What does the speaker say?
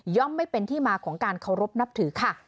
ไม่เป็นที่มาของการเคารพนับถือค่ะ